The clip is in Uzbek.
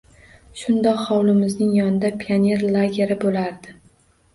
Shundoq hovlimizning yonida pioner lageri bo‘lardi.